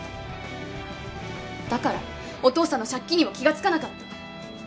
だからお父さんの借金にも気が付かなかった。